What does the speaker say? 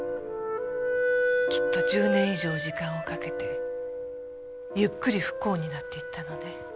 きっと１０年以上時間をかけてゆっくり不幸になっていったのね。